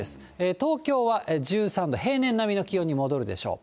東京は１３度、平年並みの気温に戻るでしょう。